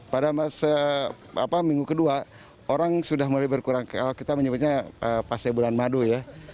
pada minggu kedua orang sudah mulai berkurang ke awal kita menyebutnya fase bulan madu ya